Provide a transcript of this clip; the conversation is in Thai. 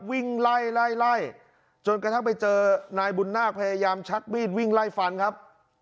วิ่งไล่ไล่ไล่จนกระทั่งไปเจอนายบุญนาคพยายามชักมีดวิ่งไล่ฟันครับ